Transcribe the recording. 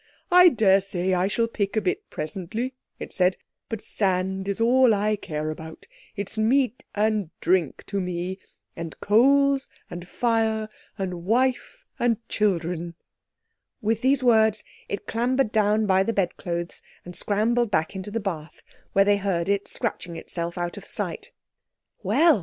"I daresay I shall pick a bit presently," it said; "but sand is all I care about—it's meat and drink to me, and coals and fire and wife and children." With these words it clambered down by the bedclothes and scrambled back into the bath, where they heard it scratching itself out of sight. "Well!"